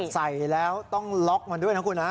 ใส่แล้วต้องล็อกมันด้วยนะคุณฮะ